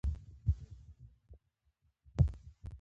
د انسان ذهن د نظم جوړوونکی دی.